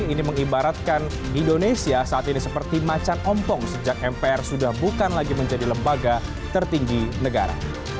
ini mengibaratkan indonesia saat ini seperti macan ompong sejak mpr sudah bukan lagi menjadi lembaga tertinggi negara